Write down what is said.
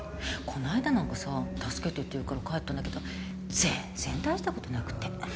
こないだなんかさ「助けて」っていうから帰ったんだけど全然大したことなくて。